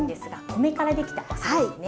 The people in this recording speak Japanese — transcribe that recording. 米からできたお酢ですね。